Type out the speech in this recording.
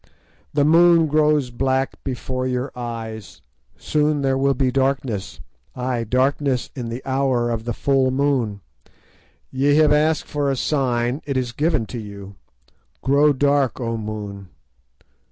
"The moon grows black before your eyes; soon there will be darkness—ay, darkness in the hour of the full moon. Ye have asked for a sign; it is given to you. Grow dark, O Moon!